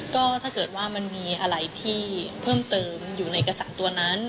ก็ถ้าเกิดว่ามันมีอะไรที่เพิ่มเติมอยู่ในเอกสารตัวนั้น